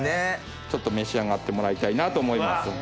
ちょっと召し上がってもらいたいなと思います。